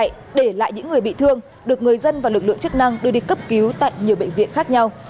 để lại những người bị thương được người dân và lực lượng chức năng đưa đi cấp cứu tại nhiều bệnh viện khác nhau